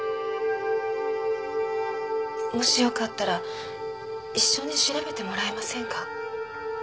もしよかったら一緒に調べてもらえませんか？